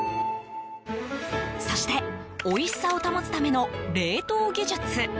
そしておいしさを保つための冷凍技術。